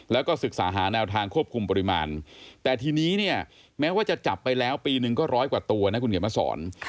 แล้วก็ศึกษาหาแนวทางควบคุมปริมาณแต่ทีนี้เนี่ยแม้ว่าจะจับไปแล้วปีนึงก็ร้อยกว่าตัวนะคุณเขียนมาสอน